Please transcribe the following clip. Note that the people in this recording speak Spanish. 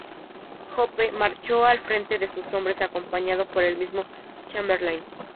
Hope marchó al frente de sus hombres acompañado por el mismo Chamberlain.